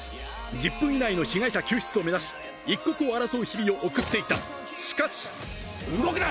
１０分以内の被害者救出を目指し一刻を争う日々を送っていたしかし動くな！